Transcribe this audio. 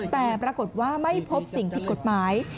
แต่ปรากฏว่าไม่พบสิ่งผิดกฎหมาย